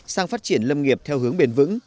sang phát triển lâm nghiệp theo hướng bền vững